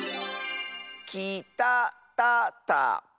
「きたたたか」！